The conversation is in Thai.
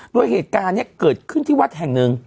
โดยเหตุการณ์นี้เกิดขึ้นที่วัดแห่งหนึ่ง